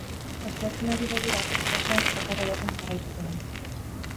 Asteazkenari begira, itsasoak zakar egoten jarraituko du.